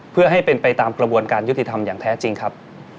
เพื่อให้เป็นไปตามกระบวนการยุติธรรมอย่างแท้จริงครับ